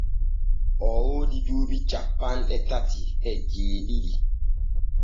Oo woodi duuɓi cappanɗe tati e jeeɗiɗi.